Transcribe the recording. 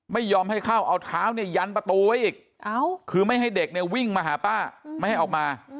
ไม่ยอมให้เข้าเอาเท้าเนี่ยยันประตูไว้อีกคือไม่ให้เด็กเนี่ยวิ่งมาหาป้าไม่ให้ออกมา